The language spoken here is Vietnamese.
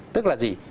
tức là gì